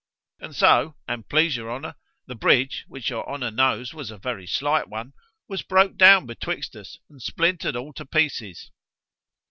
——And so, an' please your honour, the bridge, which your honour knows was a very slight one, was broke down betwixt us, and splintered all to pieces.